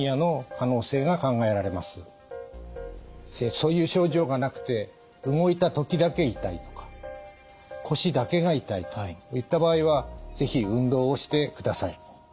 そういう症状がなくて動いた時だけ痛いとか腰だけが痛いといった場合は是非運動をしてください。